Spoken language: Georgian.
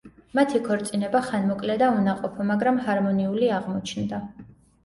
მათი ქორწინება ხანმოკლე და უნაყოფო, მაგრამ ჰარმონიული აღმოჩნდა.